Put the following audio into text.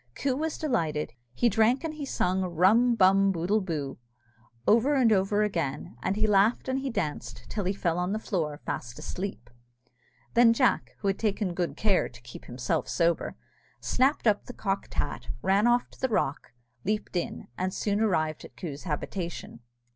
Coo was delighted: he drank and he sung Rum bum boodle boo over and over again; and he laughed and he danced, till he fell on the floor fast asleep. Then Jack, who had taken good care to keep himself sober, snapt up the cocked hat ran off to the rock leaped in, and soon arrived at Coo's habitation.